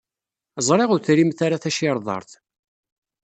Ẓriɣ ur trimt ara tacirḍart.